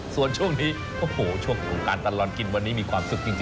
ส่วนช่วงนี้โอ้โหช่วงของการตลอดกินวันนี้มีความสุขจริง